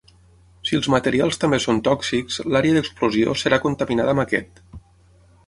Si els materials també són tòxics, l'àrea d'explosió serà contaminada amb aquest.